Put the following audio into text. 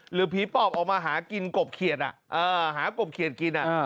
หรือผีปอบออกมาหากินกบเขียดหากบเขียดกิน